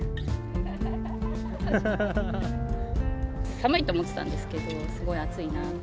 寒いと思ってたんですけど、すごい暑いなって。